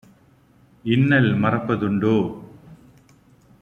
இன்னல் மறப்ப துண்டோ?"